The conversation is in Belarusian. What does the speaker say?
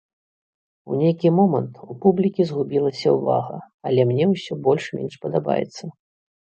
У нейкі момант у публікі згубілася ўвага, але мне ўсё больш-менш падабаецца.